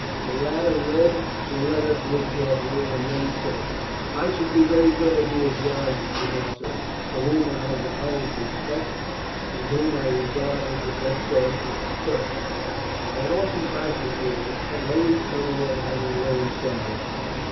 The latter read the letter through carefully, and then said: "I should be very glad to oblige the marshal, for whom I have the highest respect, and whom I regard as the best swordsman in Europe. I often practise with him, and always come away having learned something.